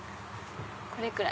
これくらい？